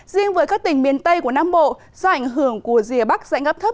riêng với các tỉnh miền tây của nam bộ do ảnh hưởng của rìa bắc dãy ngắp thấp